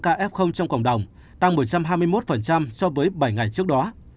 các tỉnh trong cộng đồng tăng một trăm hai mươi một so với bảy ngày trước đó